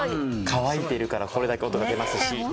乾いているからこれだけ音が出ますし。